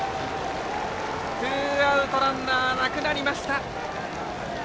ツーアウトランナーなくなりました。